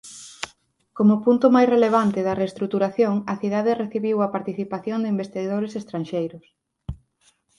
Como punto máis relevante da reestruturación a cidade recibiu a participación de investidores estranxeiros.